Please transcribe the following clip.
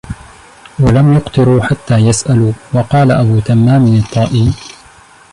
وَلَمْ يُقْتِرُوا حَتَّى يَسْأَلُوا وَقَالَ أَبُو تَمَّامٍ الطَّائِيُّ